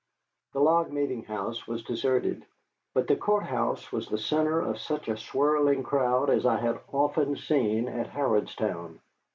The log meeting house was deserted, but the court house was the centre of such a swirling crowd as I had often seen at Harrodstown.